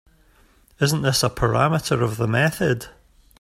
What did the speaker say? Isn’t this a parameter of the method?